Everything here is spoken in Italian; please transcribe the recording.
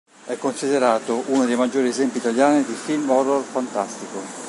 È considerato uno dei maggiori esempi italiani di film horror fantastico.